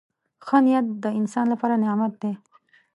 • ښه نیت د انسان لپاره نعمت دی.